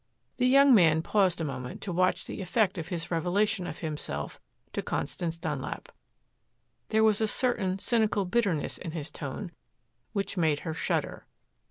The young man paused a moment to watch the effect of his revelation of himself to Constance Dunlap. There was a certain cynical bitterness in his tone which made her shudder.